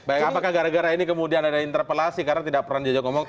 apakah gara gara ini kemudian ada interpelasi karena tidak pernah diajak ngomong